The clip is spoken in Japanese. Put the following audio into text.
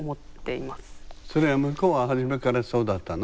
それは向こうは初めからそうだったの？